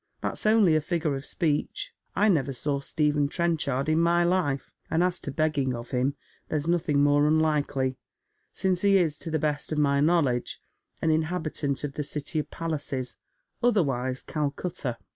That's only a figure of speech. I never saw Stephen Trenchard in my life, and as to begging of him, there's nothing more unlikely, since he is, to the best of my knowledge, an inhabitant of the city of palaces, otherwise Calcutta."